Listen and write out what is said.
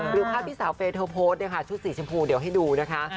หรือภาพี่สาวเฟย์เธอโพสต์ชุดสีชมพูเดี๋ยวให้ดูนะคะ